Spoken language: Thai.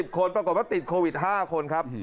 คนปรากฏว่าติดโควิด๕คนครับ